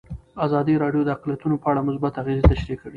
ازادي راډیو د اقلیتونه په اړه مثبت اغېزې تشریح کړي.